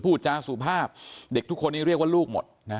พูดจาสุภาพเด็กทุกคนนี้เรียกว่าลูกหมดนะ